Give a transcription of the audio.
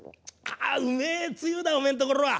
ああうめえつゆだおめえんところは！